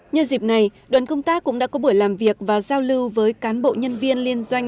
nhân dịp này đoàn công tác cũng đã có buổi làm việc và giao lưu với cán bộ nhân viên liên doanh